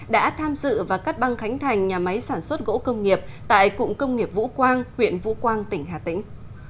đã tham dự và cắt băng khánh thành nhà máy sản xuất gỗ công nghiệp tại cụng công nghiệp vũ quang huyện vũ quang tỉnh hà tĩnh